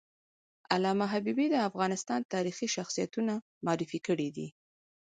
علامه حبیبي د افغانستان تاریخي شخصیتونه معرفي کړي دي.